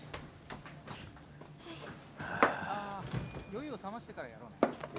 酔いをさましてからやろうね。